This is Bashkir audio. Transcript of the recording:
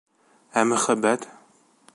Ә мөхәббәт?